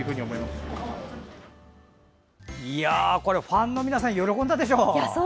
ファンの皆さん喜んだでしょう。